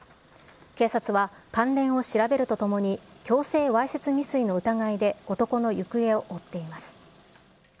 警察は関連を調べるとともに、強制わいせつ未遂の疑いで男の行方を追っています。